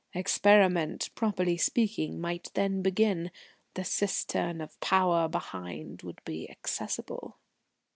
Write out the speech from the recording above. Experiment, properly speaking, might then begin. The cisterns of Power behind would be accessible."